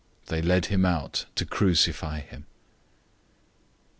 They led him out to crucify him.